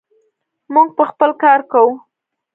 موږ به خپل کار کوو.